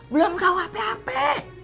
belum kau hape hape